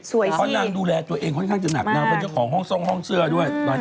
สวยสิเพราะน้ำดูแลตัวเองค่อนข้างจะหนักน้ำเป็นเจ้าของห้องซ่องห้องเสื้อด้วย